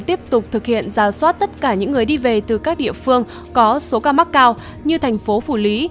tiếp tục thực hiện ra soát tất cả những người đi về từ các địa phương có số ca mắc cao như thành phố phủ lý